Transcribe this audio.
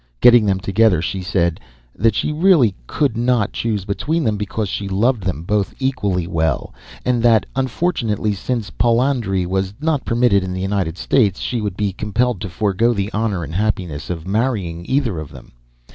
Getting them together, she said that she really could not choose between them because she loved them both equally well; and that, unfortunately, since polyandry was not permitted in the United States she would be compelled to forego the honor and happiness of marrying either of them.